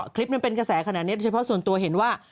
คลิปมันเป็นกระแสขนาดนี้โดยเฉพาะส่วนตัวเห็นว่า